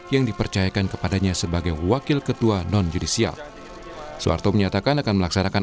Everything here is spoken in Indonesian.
yang dipercayakan kepadanya sebagai wakil ketua non judisial soeharto menyatakan akan melaksanakan